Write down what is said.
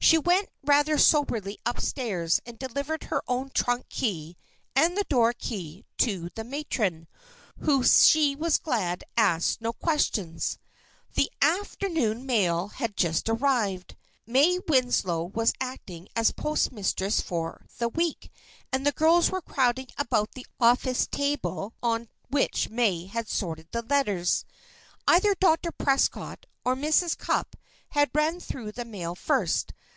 She went rather soberly up stairs and delivered her own trunk key and the door key to the matron, who she was glad asked her no questions. The afternoon mail had just arrived. May Winslow was acting as postmistress for the week, and the girls were crowding about the office table on which May had sorted the letters. Either Dr. Prescott or Mrs. Cupp had run through the mail first.